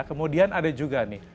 baik sehat juga nih